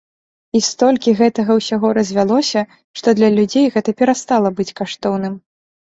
І столькі гэтага ўсяго развялося, што для людзей гэта перастала быць каштоўным.